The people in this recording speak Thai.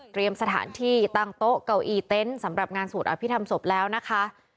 เตรียมสถานที่ตั้งโต๊ะเก่าอีเต้นสำหรับงานสูตรอภิษฐรรมศพแล้วนะคะ